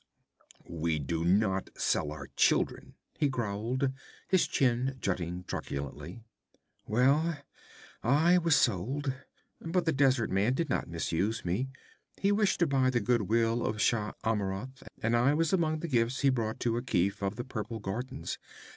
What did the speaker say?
'We do not sell our children,' he growled, his chin jutting truculently. 'Well I was sold. But the desert man did not misuse me. He wished to buy the good will of Shah Amurath, and I was among the gifts he brought to Akif of the purple gardens.